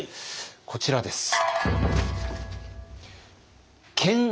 こちらです。